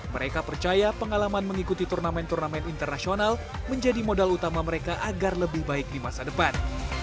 mereka percaya pengalaman mengikuti turnamen turnamen internasional menjadi modal utama mereka agar lebih baik di masa depan